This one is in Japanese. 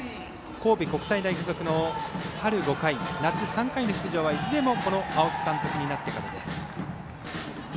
神戸国際大付属の春５回、夏３回の出場は、いずれも青木監督になってからです。